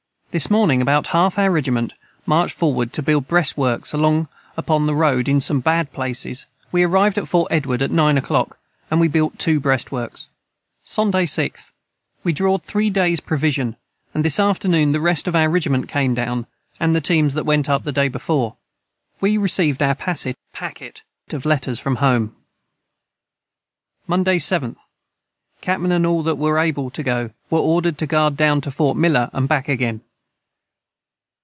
This morning about half our rigiment marched forward to build brest Works along upon the road in some bad places we arived at Fort Edward at 9 O clock & we Built 2 Brest works. Sonday 6th. We drawd 3 days provision and this afternoon the Rest of our Rigiment came down and the teams that went up the day Before we received our pacet of letters from home. [Footnote 54: Packet.] Monday 7th. Cap.n & all that were able to go were ordered to guard down to Fort Miller and back again.